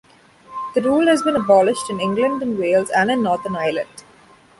The rule has been abolished in England and Wales and in Northern Ireland.